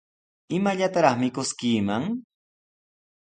¿Imallataraq mikuskiiman?